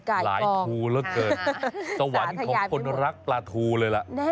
หลายทูละเกิดสวรรค์ของคนรักปลาทูเลยล่ะสาธยาพิมพ์